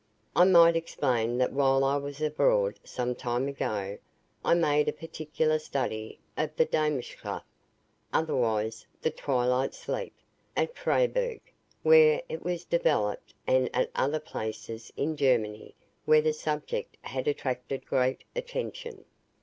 I might explain that while I was abroad some time ago, I made a particular study of the "Daemmerschlaf" otherwise, the "twilight sleep," at Freiburg where it was developed and at other places in Germany where the subject had attracted great attention.